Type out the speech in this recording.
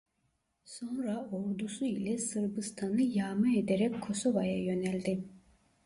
Sonra ordusu ile Sırbistan'ı yağma ederek Kosova'ya yöneldi.